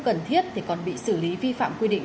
cần thiết thì còn bị xử lý vi phạm quy định